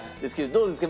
どうですか？